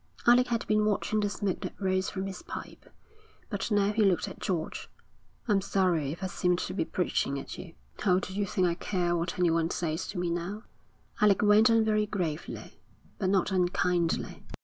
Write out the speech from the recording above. Alec had been watching the smoke that rose from his pipe, but now he looked at George. 'I'm sorry if I seem to be preaching at you.' 'Oh, do you think I care what anyone says to me now?' Alec went on very gravely, but not unkindly.